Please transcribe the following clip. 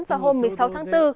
vào hôm một mươi sáu tháng bốn